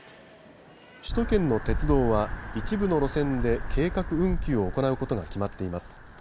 首都圏の鉄道は一部の路線で計画運休を行うことが決まっています。